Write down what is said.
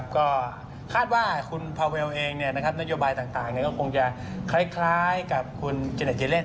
ก็คาดว่าคุณพาเวลเองเนี่ยนะครับนโยบายต่างก็คงจะคล้ายกับคุณเจนเจเลนส์